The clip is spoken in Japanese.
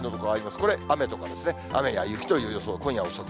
これ、雨とかですね、雨や雪という予想、今夜遅く。